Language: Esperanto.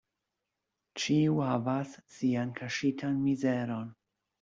Ĉiu havas sian kaŝitan mizeron.